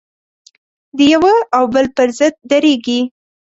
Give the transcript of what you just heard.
د یوه او بل پر ضد درېږي.